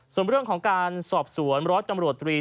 ส่วนเรื่องของการสอบสวนร้อยตำรวจตรี